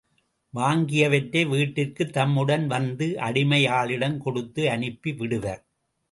வாங்கியவற்றை வீட்டிற்கு தம்முடன் வந்த அடிமை ஆளிடம் கொடுத்து அனுப்பி விடுவர்.